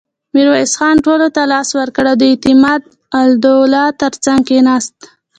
ميرويس خان ټولو ته لاس ورکړ او د اعتماد الدوله تر څنګ کېناست.